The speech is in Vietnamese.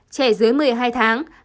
trẻ dưới một mươi hai tháng